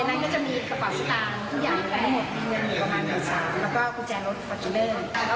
และมีพวกนักปัจจุบันนี่พี่อาวุทธิ์เราก็จำได้แล้ว